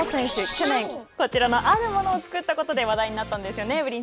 去年、こちらのあるものを作ったことで話題になったんですよね